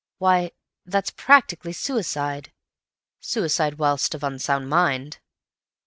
Why, that's practically suicide—suicide whilst of unsound mind.